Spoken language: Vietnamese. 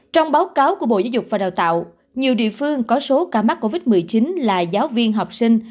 trong báo cáo của bộ giáo dục và đào tạo nhiều địa phương có số ca mắc covid một mươi chín là giáo viên học sinh